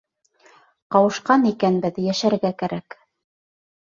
Ҡауышҡан икәнбеҙ, йәшәргә кәрәк.